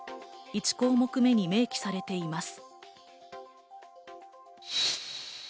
１項目めに明記されています。